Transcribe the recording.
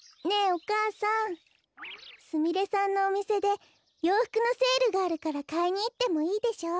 お母さんすみれさんのおみせでようふくのセールがあるからかいにいってもいいでしょ？